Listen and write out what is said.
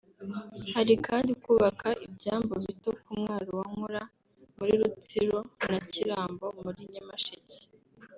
Hari kandi kubaka ibyambu bito ku mwaro wa Nkora muri Rutsiro na Kirambo muri Nyamasheke